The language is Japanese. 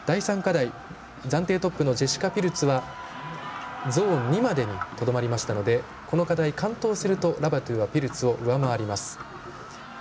第３課題、暫定トップのジェシカ・ピルツはゾーン２までにとどまりましたのでこの課題完登するとラバトゥはピルツを上回ります。